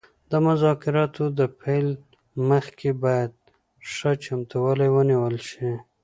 د مذاکراتو د پیل مخکې باید ښه چمتووالی ونیول شي